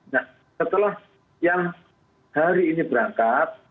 nah setelah yang hari ini berangkat